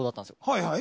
はいはい。